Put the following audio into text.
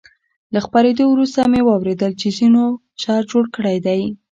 له خپرېدو وروسته مې واورېدل چې ځینو شر جوړ کړی دی.